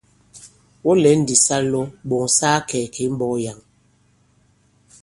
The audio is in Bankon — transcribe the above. Wɔ lɛ̌n ndī sa lɔ ɓɔ̀ŋ sa kakɛ̌ kì i mbɔ̄k yǎŋ.